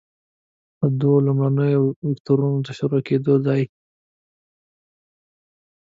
د دوو لومړنیو وکتورونو د شروع کیدو ځای.